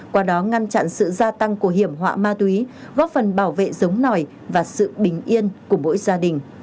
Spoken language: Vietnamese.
qua đó ngăn chặn sự gia tăng của hiểm họa ma túy góp phần bảo vệ giống nòi và sự bình yên của mỗi gia đình